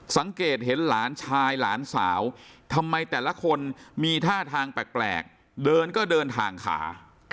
สังเกตเห็นหลานชายหลานสาวทำไมแต่ละคนมีท่าทางแปลกเดินก็เดินทางขา